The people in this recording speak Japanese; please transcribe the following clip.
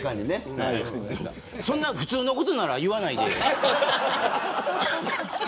そんな普通のことなら言わないで。